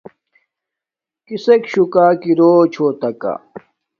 کِسݵک شُکݳ رݸچھݸتِکݳ؟